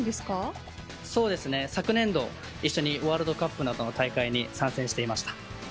昨年度、一緒にワールドカップなどの大会に参戦していました。